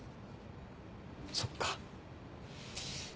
そっか。